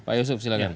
pak yusuf silahkan